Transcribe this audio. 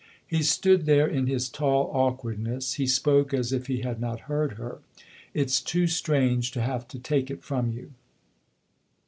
He stood there in his tall awkwardness ; he spoke as if he had not heard her. " It's too strange to have to take it from you."